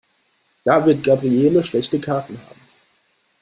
Da wird Gabriele schlechte Karten haben.